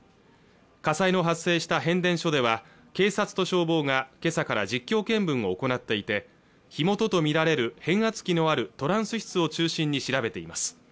火災の発生した変電所では警察と消防がけさから実況見分を行っていて火元とみられる変圧器のあるトランス室を中心に調べています